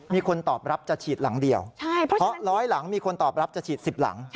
มีคนตอบรับจะฉีดหลังเดียวเพราะร้อยหลังมีคนตอบรับจะฉีด๑๐หลัง